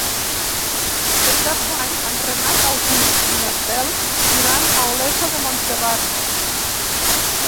Per Cap d'Any en Renat August i na Cel iran a Olesa de Montserrat.